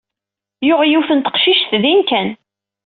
Yuɣ yiwet n teqcict din kan.